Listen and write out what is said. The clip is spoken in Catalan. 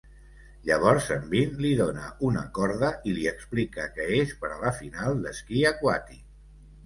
Llavors en Bean li dona una corda i li explica que és per a la final d'esquí aquàtic.